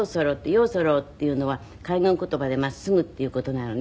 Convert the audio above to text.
「ようそろ」っていうのは海軍言葉で「真っすぐ」っていう事なのね。